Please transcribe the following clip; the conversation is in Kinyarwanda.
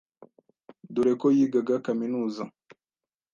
dore ko yigaga kaminuza